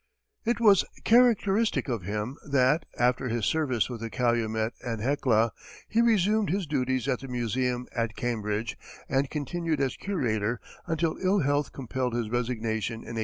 It was characteristic of him that, after his service with the Calumet and Hecla, he resumed his duties at the museum at Cambridge, and continued as curator until ill health compelled his resignation in 1885.